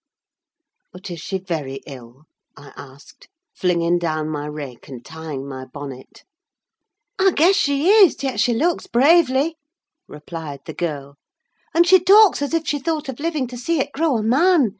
"But is she very ill?" I asked, flinging down my rake and tying my bonnet. "I guess she is; yet she looks bravely," replied the girl, "and she talks as if she thought of living to see it grow a man.